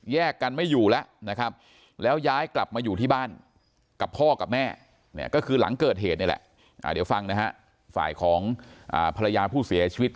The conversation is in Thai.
กันไม่อยู่แล้วนะครับแล้วย้ายกลับมาอยู่ที่บ้านกับพ่อกับแม่เนี่ยก็คือหลังเกิดเหตุนี่แหละเดี๋ยวฟังนะฮะฝ่ายของภรรยาผู้เสียชีวิต